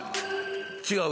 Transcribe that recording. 違う？